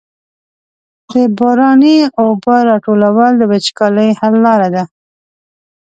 د باراني اوبو راټولول د وچکالۍ حل لاره ده.